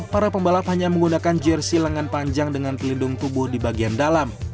para pembalap hanya menggunakan jersi lengan panjang dengan pelindung tubuh di bagian dalam